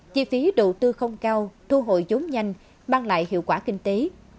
chi phí đầu tư không cao thu hội giống nhanh mang lại hiệu quả kinh tế